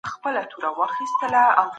د اندامونو کنټرول د ايمان نښه ده.